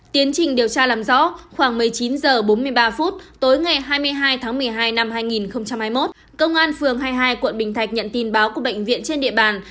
tiến trình điều tra làm rõ khoảng một mươi chín h bốn mươi ba phút tối ngày hai mươi hai tháng một mươi hai năm hai nghìn hai mươi một công an phường hai mươi hai quận bình thạnh nhận tin báo của bệnh viện trên địa bàn